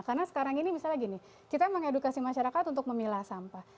karena sekarang ini misalnya gini kita mengedukasi masyarakat untuk memilah sampah